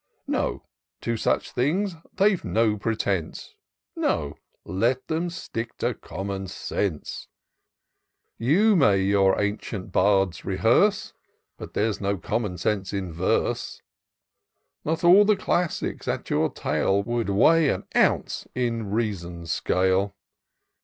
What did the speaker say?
No, to such things they've no pretence ; No — ^let them stick to common sense : You may your ancient bards rehearse, But there's no common sense in verse ; Not all the classics at your tail Would weigh an ounce in reason's scale.